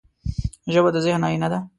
ژبه د ذهن آینه ده